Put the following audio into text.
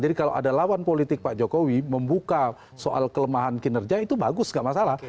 jadi kalau ada lawan politik pak jokowi membuka soal kelemahan kinerja itu bagus tidak masalah